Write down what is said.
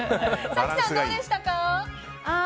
早紀さん、どうでしたか？